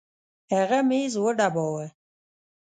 هغه ميز وډباوه.